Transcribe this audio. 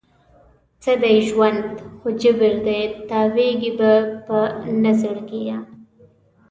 څه دی ژوند؟ خو جبر دی، تاویږې به په نه زړګي